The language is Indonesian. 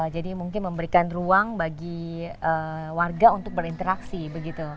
jadi mungkin memberikan ruang bagi warga untuk berinteraksi begitu